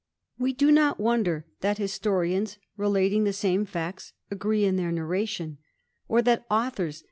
We do not wonder, that historians, relating tii ^ same facts, agree in their narration; or that author^?